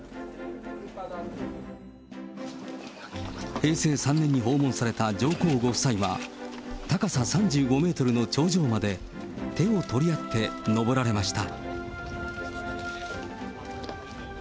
平成３年に訪問された上皇ご夫妻は、高さ３５メートルの頂上まで手を取り合ってのぼられました。